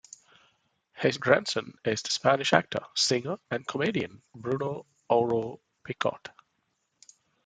His grandson is the Spanish actor, singer and comedian Bruno Oro Pichot.